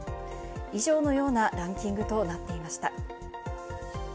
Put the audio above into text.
以上のようなランキングとなっていました。